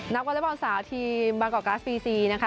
นับกวนเรียบร้อยสาวทีมบาร์กอร์กราศบีซีนะคะ